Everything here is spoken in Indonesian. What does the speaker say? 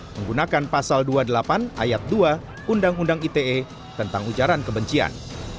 menggunakan pasal dua puluh delapan ayat dua undang undang ite tentang ujaran kebencian